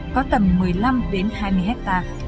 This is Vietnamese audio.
có tầm một mươi năm hai mươi hectare